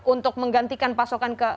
untuk menggantikan pasokan ke